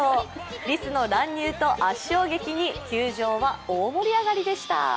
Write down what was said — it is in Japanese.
リスの乱入と圧勝劇に球場は大盛り上がりでした。